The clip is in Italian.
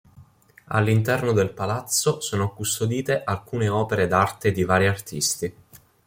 All'interno del palazzo sono custodite alcune opere d'arte di vari artisti.